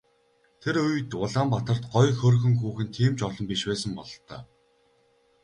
Тэр үед Улаанбаатарт гоё хөөрхөн хүүхэн тийм ч олон биш байсан бололтой.